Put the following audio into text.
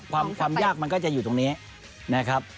ความยากมันก็จะอยู่ตรงนี้นะครับ